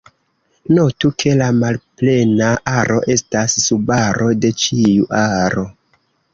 Notu, ke la malplena aro estas subaro de ĉiu aro.